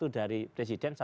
satu dari presiden